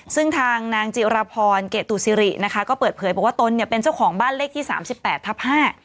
ซึ่งทางนางจิรพรเกตุซิรินะคะก็เปิดเผยบอกว่าตนเนี่ยเป็นเจ้าของบ้านเลขที่สามสิบแปดทับห้า